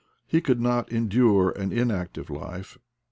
He could not endure an inactive life.